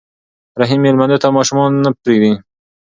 رحیم مېلمنو ته ماشومان نه پرېږدي.